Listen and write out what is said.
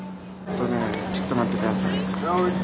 ちょっと待って下さい。